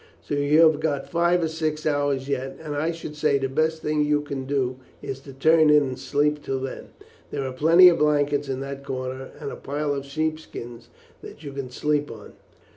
So you have got five or six hours yet, and I should say the best thing you can do is to turn in and sleep till then. There are plenty of blankets in that corner and a pile of sheep skins that you can sleep on."